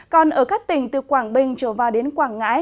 còn ở các tỉnh từ quảng bình trở vào đến quảng ngãi